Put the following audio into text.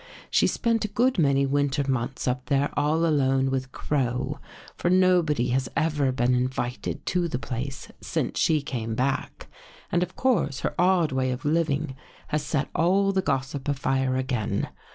She spent a good many winter months up there all alone with Crow, for nobody has ever been invited to the place since she came back, and of course her odd way of living has set all the gossip afire again.